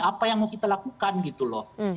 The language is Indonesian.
apa yang mau kita lakukan gitu loh